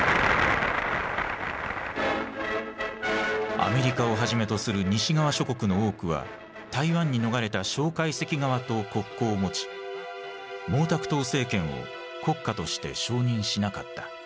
アメリカをはじめとする西側諸国の多くは台湾に逃れた介石側と国交を持ち毛沢東政権を国家として承認しなかった。